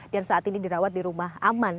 dan saat ini dirawat di rumah